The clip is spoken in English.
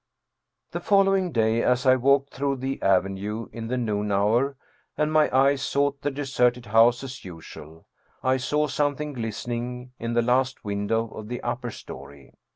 The following day, as I walked through the avenue in the noon hour, and my eyes sought the deserted house as usual, I saw something glistening in the last window of the upper story.